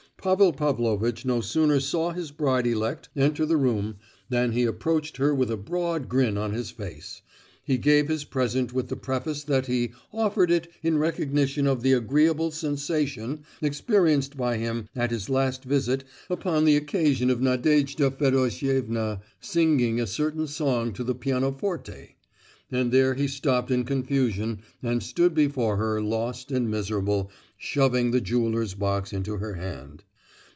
Pavel Pavlovitch no sooner saw his bride elect enter the room than he approached her with a broad grin on his face. He gave his present with the preface that he "offered it in recognition of the agreeable sensation experienced by him at his last visit upon the occasion of Nadejda Fedosievna singing a certain song to the pianoforte," and there he stopped in confusion and stood before her lost and miserable, shoving the jeweller's box into her hand.